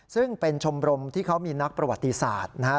ซึ่งเป็นชมรมที่เขามีนักประวัติศาสตร์นะครับ